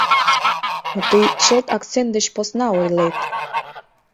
— Но тый чылт акцент деч посна ойлет...